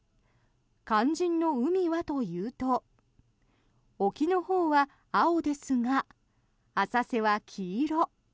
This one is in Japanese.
肝心の海はというと沖のほうは青ですが浅瀬は黄色。